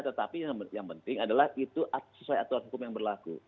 tetapi yang penting adalah itu sesuai aturan hukum yang berlaku